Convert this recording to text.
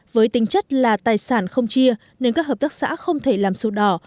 với tính chất là tài sản không chia nên các hợp tác xã không thể làm sổ đỏ